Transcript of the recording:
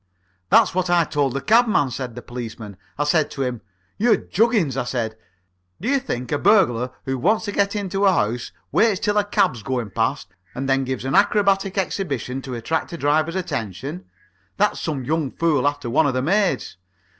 "That's what I told the cabman," said the policeman. "I said to him: 'You juggins,' I said, 'do you think a burglar who wants to get into a house waits till a cab's going past and then gives a acrobatic exhibition to attract the driver's attention? That's some young fool after one of the maids.'